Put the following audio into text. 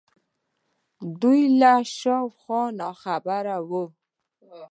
دوی له شا و خوا ناخبره وو